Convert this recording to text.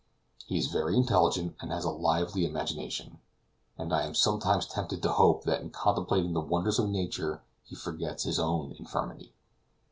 He is very intelligent, and has a lively imagination, and I am sometimes tempted to hope that in contemplating the wonders of nature he forgets his own infirmity."